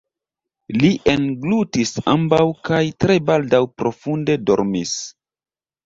Li englutis ambaŭ kaj tre baldaŭ profunde dormis.